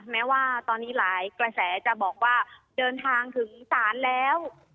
แม้ว่าตอนนี้หลายกระแสจะบอกว่าเดินทางถึงศาลแล้ว